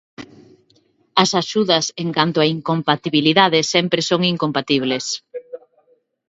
As axudas en canto á incompatibilidade sempre son incompatibles.